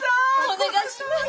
お願いします